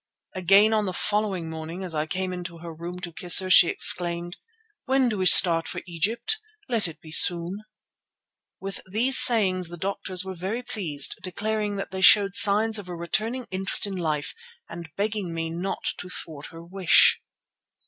"Again on the following morning as I came into her room to kiss her, she exclaimed, "'When do we start for Egypt? Let it be soon.' "With these sayings the doctors were very pleased, declaring that they showed signs of a returning interest in life and begging me not to thwart her wish.